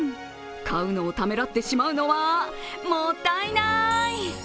買うのをためらってしまうのはもったいない。